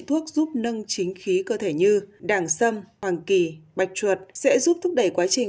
thuốc giúp nâng chính khí cơ thể như đàng sâm hoàng kỳ bạch chuột sẽ giúp thúc đẩy quá trình